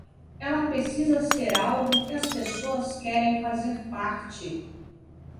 Ela precisa ser algo que as pessoas querem fazer parte.